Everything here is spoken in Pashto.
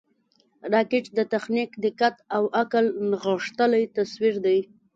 راکټ د تخنیک، دقت او عقل نغښتلی تصویر دی